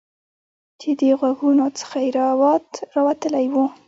چې د غوږونو څخه یې روات راوتلي وو